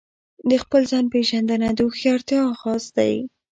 د خپل ځان پیژندنه د هوښیارتیا آغاز دی.